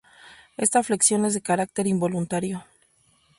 Esta flexión es de carácter involuntario.